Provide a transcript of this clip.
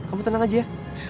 kamu tenang aja ya